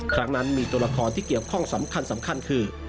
ครั้งนั้นมีตัวละครที่เกี่ยวข้องสำคัญคือ